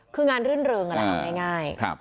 คืองานเรื่องอ่ะแหละงานง่าย